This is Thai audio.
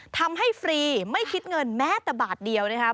ฟรีไม่คิดเงินแม้แต่บาทเดียวนะครับ